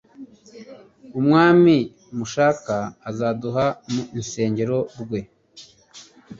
"Umwami mushaka azaduka mu nisengero rwe,